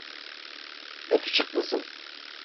Yakışıklısın.